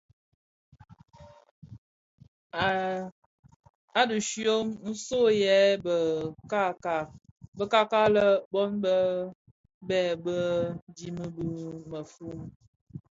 A dishyön, nso yè bè kalag lè bon be bhèi bë dimen bë muufin.